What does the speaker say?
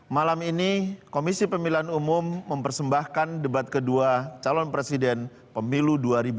malam ini komisi pemilihan umum mempersembahkan debat kedua calon presiden pemilu dua ribu dua puluh